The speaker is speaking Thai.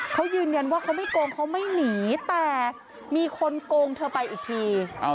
เขายืนยันว่าเขาไม่โกงเขาไม่หนีแต่มีคนโกงเธอไปอีกที